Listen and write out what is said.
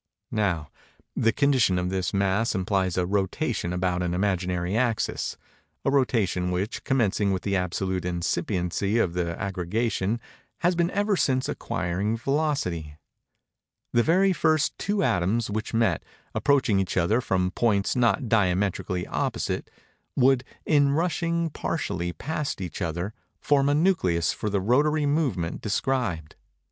Now, the condition of this mass implies a rotation about an imaginary axis—a rotation which, commencing with the absolute incipiency of the aggregation, has been ever since acquiring velocity. The very first two atoms which met, approaching each other from points not diametrically opposite, would, in rushing partially past each other, form a nucleus for the rotary movement described.